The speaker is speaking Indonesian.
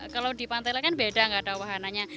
kalau di pantai kan beda tidak ada wahananya